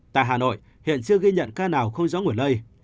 tại hà nội hiện chưa ghi nhận ca nào không rõ nguồn lây